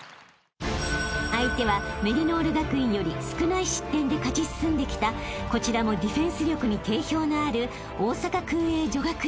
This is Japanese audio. ［相手はメリノール学院より少ない失点で勝ち進んできたこちらもディフェンス力に定評のある大阪薫英女学院］